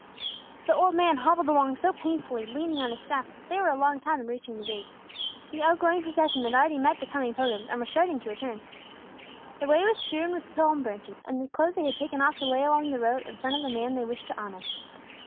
The old man hobbled along so painfully, leaning on his staff, that they were a long time in reaching the gate. The outgoing procession had already met the coming pilgrims, and were starting to return. The way was strewn with palm branches and the clothes they had taken off to lay along the road in front of the man they wished to honor.